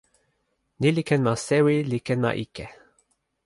ni li ken ma sewi li ken ma ike.